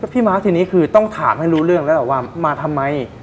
มาร์คทีนี้คือต้องถามให้รู้เรื่องแล้วล่ะว่ามาทำไม